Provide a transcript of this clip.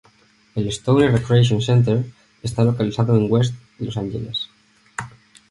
El Stoner Recreation Center está localizado en West Los Angeles.